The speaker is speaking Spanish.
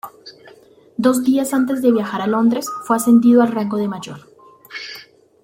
Dos días antes de viajar a Londres, fue ascendido al rango de mayor.